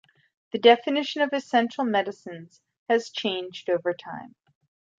The definition of essential medicines has changed over time.